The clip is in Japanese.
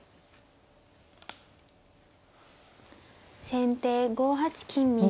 先手５八金右。